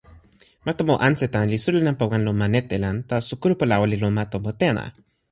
ma tomo Ansetan li suli nanpa wan lon ma Netelan, taso kulupu lawa li lon ma tomo Tena.